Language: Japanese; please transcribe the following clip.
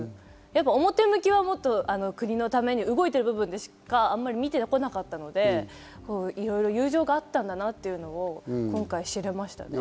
表向きはもっと、国のために動いている部分でしか見てこなかったので、いろいろ友情があったんだなというのを今回知れましたね。